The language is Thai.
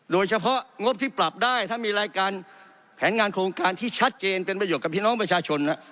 งงบที่ปรับได้ถ้ามีรายการแผนงานโครงการที่ชัดเจนเป็นประโยชนกับพี่น้องประชาชน